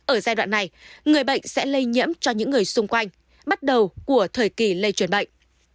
ở giai đoạn này người bệnh sẽ lây nhiễm cho những người xung quanh bắt đầu của thời kỳ lây truyền bệnh